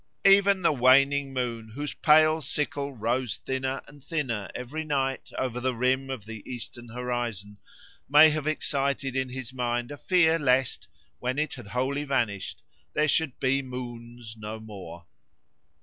Even the waning moon, whose pale sickle rose thinner and thinner every night over the rim of the eastern horizon, may have excited in his mind a fear lest, when it had wholly vanished, there should be moons no more.